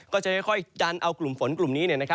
ก็จะค่อยดันเอากลุ่มฝนกลุ่มนี้